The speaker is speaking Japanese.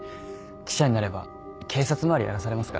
記者になれば警察回りやらされますから。